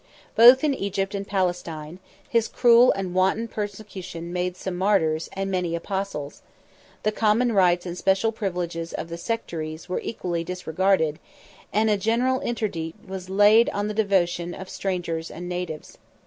Both in Egypt and Palestine, his cruel and wanton persecution made some martyrs and many apostles: the common rights and special privileges of the sectaries were equally disregarded; and a general interdict was laid on the devotion of strangers and natives.